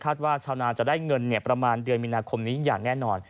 ว่าชาวนาจะได้เงินประมาณเดือนมีนาคมนี้อย่างแน่นอน